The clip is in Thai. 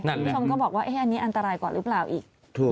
คุณผู้ชมก็บอกว่าอันนี้อันตรายกว่าหรือเปล่าอีก